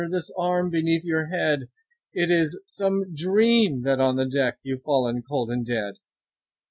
This arm beneath your head! It is some dream that on the deck 15 You've fallen cold and dead.